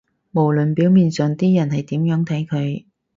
無論表面上啲人係點樣睇佢